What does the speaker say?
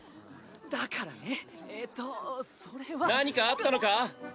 だからねえっとそれは。何かあったのか？